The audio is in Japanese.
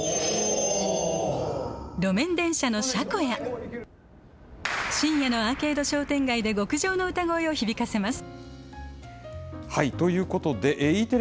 路面電車の車庫や、深夜のアーケード商店街で極上の歌声を響かせます。